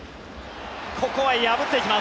ここは破っていきます。